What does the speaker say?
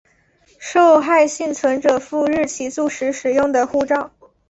受害幸存者赴日起诉时使用的护照